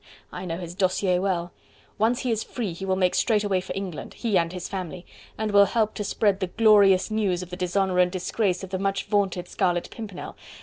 I know his dossier well! Once he is free, he will make straightway for England... he and his family... and will help to spread the glorious news of the dishonour and disgrace of the much vaunted Scarlet Pimpernel!...